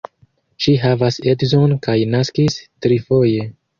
Ŝi havas edzon kaj naskis trifoje.